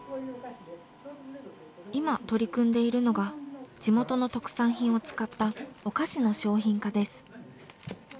今取り組んでいるのが地元の特産品を使ったお菓子の商品化です。